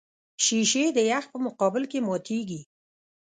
شیشې د یخ په مقابل کې ماتېږي.